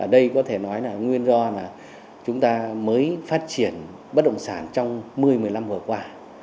ở đây có thể nói là nguyên do là chúng ta mới phát triển bất động sản trong một mươi một mươi năm vừa qua